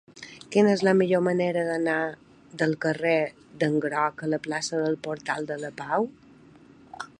Quina és la millor manera d'anar del carrer d'en Groc a la plaça del Portal de la Pau?